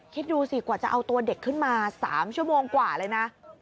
คิดดูสิกว่าจะเอาตัวเด็กขึ้นมา๓ชั่วโมงกว่าเลยนะ